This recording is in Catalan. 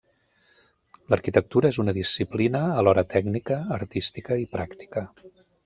L'arquitectura és una disciplina alhora tècnica, artística i pràctica.